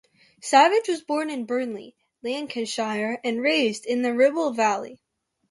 Savage was born in Burnley, Lancashire and raised in the Ribble Valley.